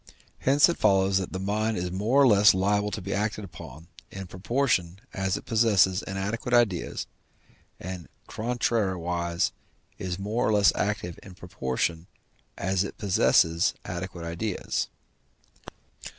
Hence it follows that the mind is more or less liable to be acted upon, in proportion as it possesses inadequate ideas, and, contrariwise, is more or less active in proportion as it possesses adequate ideas.